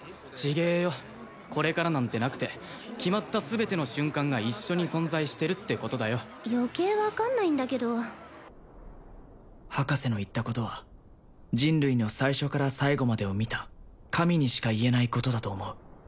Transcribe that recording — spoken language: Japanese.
違えよこれからなんてなくて決まった全ての瞬間が一緒に存在してるってことだよ余計分かんないんだけど博士の言ったことは人類の最初から最後までを見た神にしか言えないことだと思う